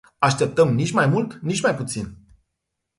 Așteptăm nici mai mult, nici mai puțin!